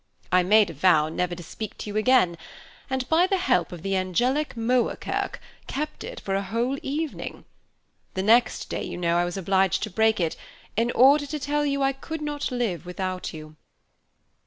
I made a vow never to speak to you again, and, by the help of the angelic Moerkerke, kept it for a whole evening. The next day, you know, I was obliged to break it, in order to tell you I could not live without you."